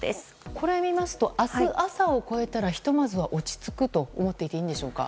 これを見ますと明日朝を超えたらひとまずは落ち着くと思っていていいんでしょうか？